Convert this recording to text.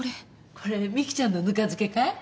これミキちゃんのぬか漬けかい？